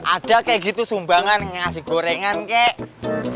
ada kayak gitu sumbangan ngasih gorengan kek